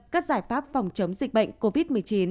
các giải pháp phòng chống dịch bệnh covid một mươi chín